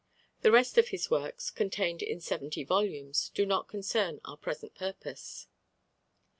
The rest of his works, contained in seventy volumes, do not concern our present purpose.